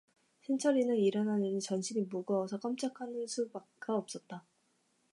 신철이는 일어나려니 전신이 무거워서 깜작하는 수가 없었다.